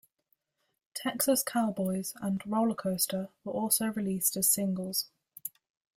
"Texas Cowboys" and "Rollercoaster" were also released as singles.